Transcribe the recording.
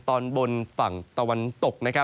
ตอนบนฝั่งตะวันตก